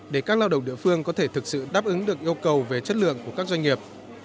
để các lao động địa phương có thể thực sự đáp ứng được yêu cầu về chất lượng của các doanh nghiệp